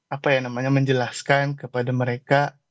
apa ya namanya menjelaskan kepada mereka